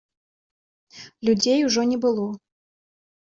Людзей ужо не было.